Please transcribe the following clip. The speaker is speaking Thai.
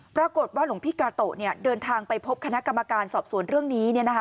ปรากฏว่าหลวงพี่กาโตะเดินทางไปพบคณะกรรมการสอบสวนเรื่องนี้